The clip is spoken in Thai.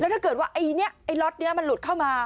แล้วถ้าเกิดว่าไอ้เนี้ยไอ้ล็อตเนี้ยมันหลุดเข้ามา